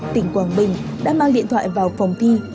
tỉnh quảng bình đã mang điện thoại vào phòng thi